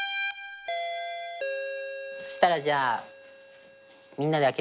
そしたらじゃあみんなで開けてみますか。